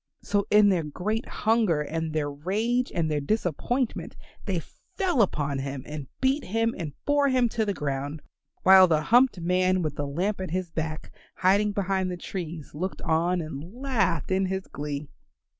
So in their great hunger and their rage and their disappointment they fell upon him and beat him and bore him to the ground, while the humped man with the lamp at his back hiding behind the trees looked on and laughed in his glee.